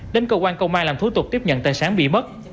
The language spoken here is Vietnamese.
đến cơ quan công an làm thủ tục tiếp nhận tên sáng bị mất